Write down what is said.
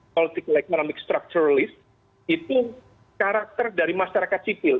politik ekonomi strukturalist itu karakter dari masyarakat civil